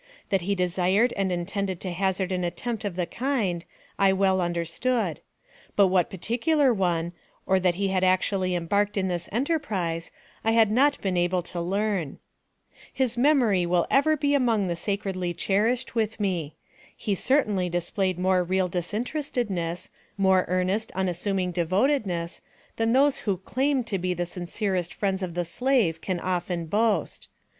That he desired and intended to hazard an attempt of the kind, I well understood; but what particular one, or that he had actually embarked in the enterprise, I had not been able to learn. His memory will ever be among the sacredly cherished with me. He certainly displayed more real disinterestedness, more earnest, unassuming devotedness, than those who claim to be the sincerest friends of the slave can often boast.